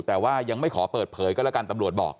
แต่ว่ายังไม่ขอเปิดเผยก็แล้วกันตำรวจบอก